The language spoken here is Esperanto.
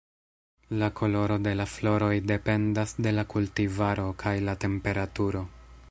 La koloro de la floroj dependas de la kultivaro kaj la temperaturo.